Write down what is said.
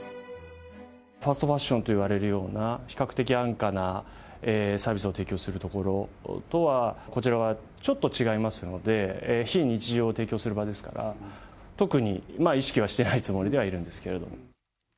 ファストファッションといわれるような比較的安価なサービスを提供する所とは、こちらはちょっと違いますので、非日常を提供する場ですから、特に意識はしてないつもりではいるんですけれども。